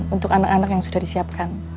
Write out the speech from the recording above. untuk anak anak yang sudah disiapkan